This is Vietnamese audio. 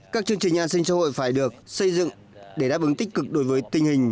các chương trình an sinh xã hội phải được xây dựng để đáp ứng tích cực đối với tình hình